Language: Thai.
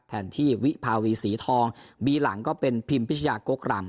แทนที่วิภาวีสีทองบีหลังก็เป็นพิมพิชยากกรำ